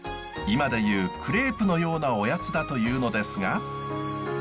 今でいうクレープのようなおやつだというのですが。